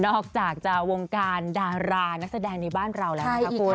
ออกจากจะวงการดารานักแสดงในบ้านเราแล้วนะคะคุณ